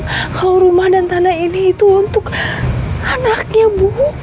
kalau rumah dan tanah ini itu untuk anaknya bu